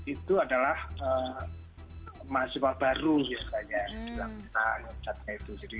itu adalah mahasiswa baru ya